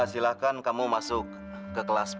silahkan kamu masuk ke kelas sepuluh a